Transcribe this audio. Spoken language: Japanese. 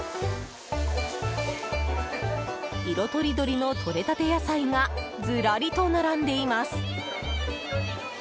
色とりどりのとれたて野菜がずらりと並んでいます。